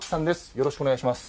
よろしくお願いします。